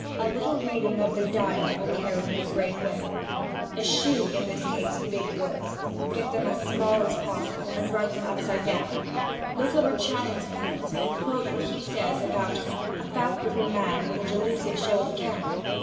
A little reading of the 'Dial' will carry you a great way. Eschew, in this case, big words; get them as small as possible, and write them upside down. Look over Channing's poems and quote what he says about a 'fat little man with a delusive show of Can.